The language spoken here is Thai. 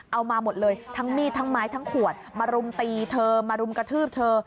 เอามาหมดเลยทั้งมีดทั้งไม้ทั้งขวดมารุมตีเธอมารุมกระทืบเธอ